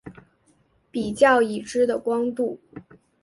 比较已知的光度。